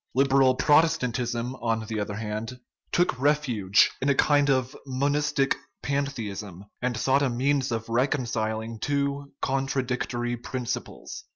Liberal Protestantism, on the other hand, took refuge in a kind of monistic pantheism, and sought a means of reconciling two contradictory prin ciples.